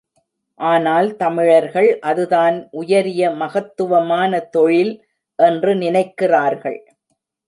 ஆனால் தமிழர்கள், அதுதான் உயரிய மகத்துவமான தொழில் என்று நினைக்கிறார்கள்.